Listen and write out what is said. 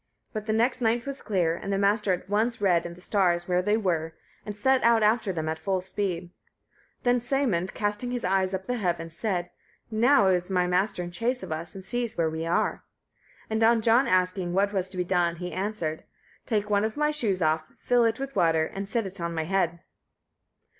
But the next night was clear, and the Master at once read in the stars where they were, and set out after them at full speed. Then Sæmund, casting his eyes up at the heavens, said, "Now is my Master in chase of us, and sees where we are." And on John asking what was to be done, he answered: "Take one of my shoes off, fill it with water, and set it on my head."